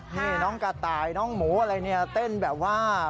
นี่น้องกระต่ายน้องหมูอะไรเนี่ยเต้นแบบว่า